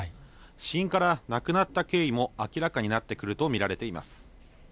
死因から亡くなった経緯も明らかになってくると見られています。